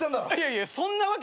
いやそんなわけない。